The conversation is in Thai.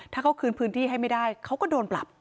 ถ้าเขาคืนพื้นที่ให้ไม่ได้เขาก็โดนปรับ